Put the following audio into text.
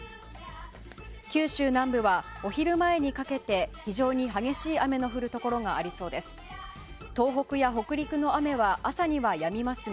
九州南部はお昼前にかけて非常に激しい雨の降るところがありそうです。